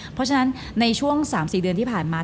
เพราะฉะนั้นในช่วง๓๔เดือนที่ผ่านมา